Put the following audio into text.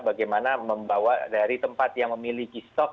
bagaimana membawa dari tempat yang memiliki stok